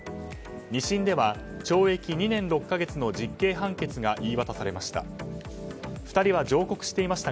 ２審では懲役２年６か月の実刑判決が言い渡されました。